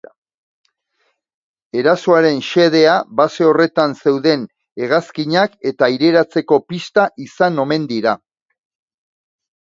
Erasoaren xedea base horretan zeuden hegazkinak eta aireratzeko pista izan omen dira.